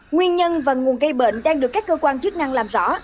nguyên nhân và nguồn gây bệnh đang được các cơ quan chức năng làm rõ